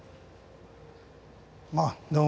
あっどうも。